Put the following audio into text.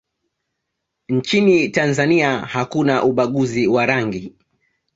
nchini tanzania hakuna ubaguzi wa rangi